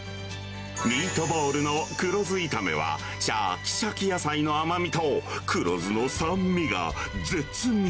ミートボールの黒酢いためは、しゃきしゃき野菜の甘みと、黒酢の酸味が絶妙。